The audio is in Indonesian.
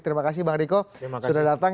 terima kasih bang riko sudah datang